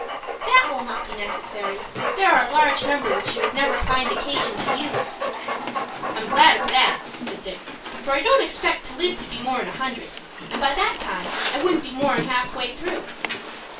"That will not be necessary. There are a large number which you would never find occasion to use." "I'm glad of that," said Dick; "for I don't expect to live to be more'n a hundred, and by that time I wouldn't be more'n half through."